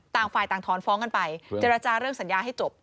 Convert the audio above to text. ต่างฝ่ายต่างถอนฟ้องกันไปเจรจาเรื่องสัญญาให้จบ